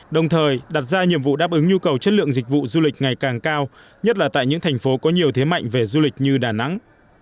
đồng thời đặt ra nhiệm vụ đáp ứng nhu cầu chất lượng dịch vụ du lịch ngày càng cao nhất là tại những thành phố có nhiều thế mạnh về du lịch như đà nẵng